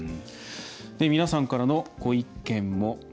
皆さんからのご意見も。